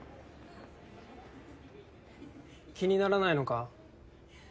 気にならないのか？